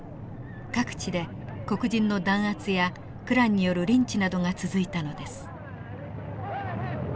各地で黒人の弾圧やクランによるリンチなどが続いたのです。